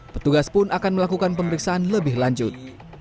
petugas pun akan melakukan pemeriksaan lebih lanjut